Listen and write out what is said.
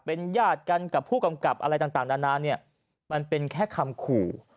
เป็นญาติกันกับผู้กำกับอะไรต่างนานาเนี่ยมันเป็นแค่คำขู่